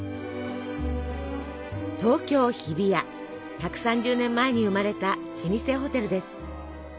１３０年前に生まれた老舗ホテルです。